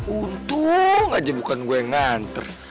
untung aja bukan gue yang nganter